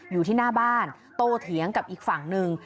อยู่ที่หน้าบ้านโตเถียงกับอีกฝั่งหนึ่ง